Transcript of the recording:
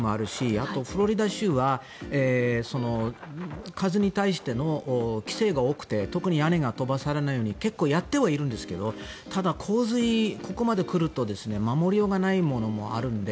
あとフロリダ州は風に対しての規制が多くて特に屋根が飛ばされないように結構やってはいるんですがただ、洪水がここまで来ると守りようがないものもあるので。